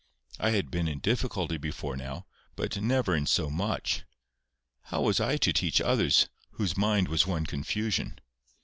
I had been in difficulty before now, but never in so much. How was I to teach others, whose mind was one confusion?